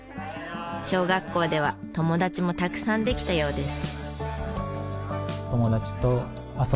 小学校では友達もたくさんできたようです。